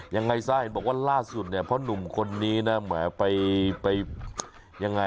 ยังไงซ่าเห็นบอกว่าล่าสุดเนี้ยพ่อหนุ่มคนนี้น่ะ